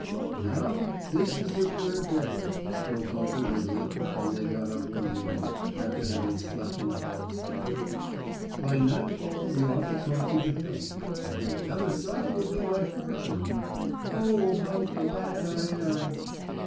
"Now, this is the third day," spoke Uncle Wiggily when they got up one morning, after having slept in a hollow stump. "By nightfall we ought to come to the hill, and on the other side will be my fortune. Oh, how glad I am!"